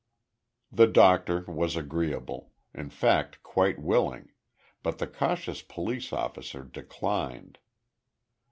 The doctor was agreeable, in fact quite willing, but the cautious police officer declined.